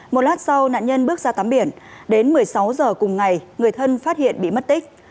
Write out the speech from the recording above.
một lát sau nạn nhân bước ra tắm biển đến một mươi sáu h cùng ngày người thân phát hiện bị mất tích